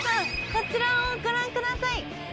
こちらをご覧ください。